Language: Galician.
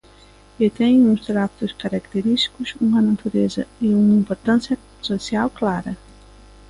E teñen uns trazos característicos, unha natureza e unha importancia social clara.